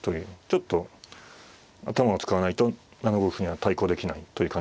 ちょっと頭を使わないと７五歩には対抗できないという感じでしょうか。